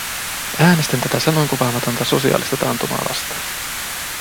Äänestän tätä sanoinkuvaamatonta sosiaalista taantumaa vastaan.